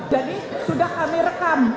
jadi sudah kami rekam